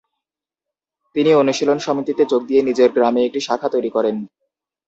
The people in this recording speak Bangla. তিনি অনুশীলন সমিতিতে যোগ দিয়ে নিজের গ্রামে একটি শাখা তৈরি করেন।